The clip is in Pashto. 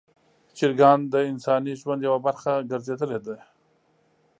چرګان د انساني ژوند یوه برخه ګرځېدلي دي.